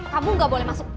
kamu gak boleh masuk